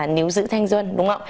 nếu giữ thanh xuân